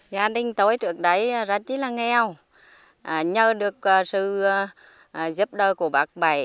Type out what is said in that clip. giá đinh tối trước đấy rất là nghèo nhờ được sự giúp đỡ của bà bảy